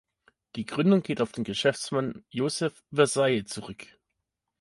Die Gründung geht auf den Geschäftsmann Joseph Versailles zurück.